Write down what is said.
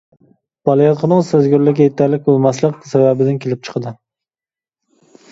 بالىياتقۇنىڭ سەزگۈرلۈكى يېتەرلىك بولماسلىق سەۋەبىدىن كېلىپ چىقىدۇ.